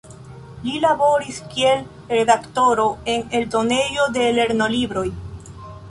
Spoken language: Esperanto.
Li laboris kiel redaktoro en eldonejo de lernolibroj.